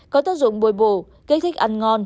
có tác dụng bồi bổ kích thích ăn ngon